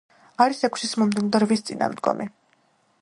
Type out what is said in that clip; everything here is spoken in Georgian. არის ექვსის მომდევნო და რვის წინამდგომი.